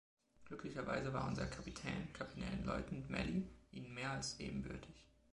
Glücklicherweise war unser Kapitän, Kapitänleutnant Melly, ihnen mehr als ebenbürtig.